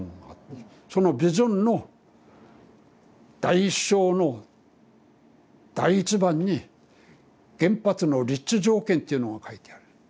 そのビジョンの第１章の第１番に原発の立地条件っていうのが書いてある。